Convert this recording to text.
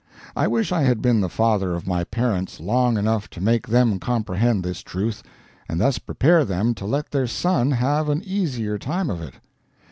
I wish I had been the father of my parents long enough to make them comprehend this truth, and thus prepare them to let their son have an easier time of it.